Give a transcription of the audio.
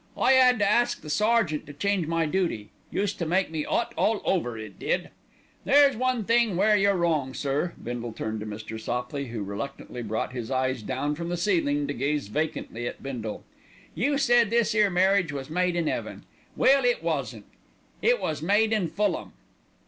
I 'ad to ask the sergeant to change my dooty. Used to make me 'ot all over, it did. "There's one thing where you're wrong, sir." Bindle turned to Mr. Sopley, who reluctantly brought his eyes down from the ceiling to gaze vacantly at Bindle. "You said this 'ere marriage was made in 'eaven. Well, it wasn't; it was made in Fulham."